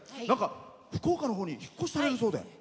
なんか、福岡のほうに引っ越しされるそうで。